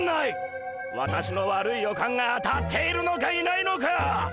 私の悪い予感が当たっているのかいないのか。